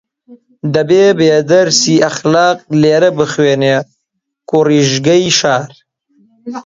دەبێ بێ دەرسی ئەخلاق لێرە بخوێنێ کوڕیژگەی شار